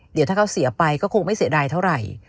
เดี๋ยวถ้าเขาเสียไปก็คงไม่เสียดายเท่าไหร่